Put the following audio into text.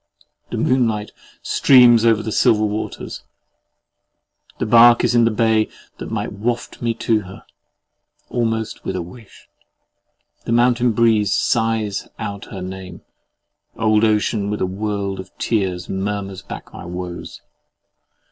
The moonlight streams over the silver waters: the bark is in the bay that might waft me to her, almost with a wish. The mountain breeze sighs out her name: old ocean with a world of tears murmurs back my woes!